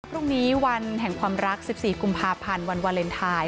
พรุ่งนี้วันแห่งความรัก๑๔กพววาเลนไทย